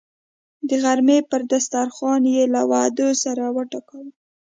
د غرمې پر دسترخان یې له وعدو سر وټکاوه.